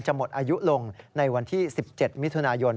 หมดอายุลงในวันที่๑๗มิถุนายน